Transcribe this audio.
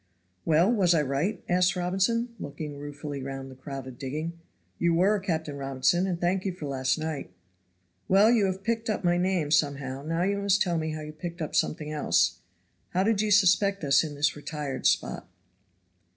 "Well, was I right?" asked Robinson, looking ruefully round the crowded digging. "You were, Captain Robinson, and thank you for last night." "Well, you have picked up my name somehow. Now just tell me how you picked up something else. How did you suspect us in this retired spot?"